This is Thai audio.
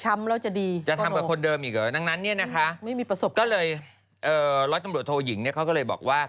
มันจะทำอีกเหรอจะทำกับคนเดิม